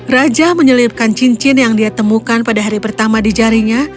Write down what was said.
raja menyelipkan cincin yang dia temukan pada hari pertama di jarinya